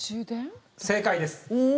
正解です。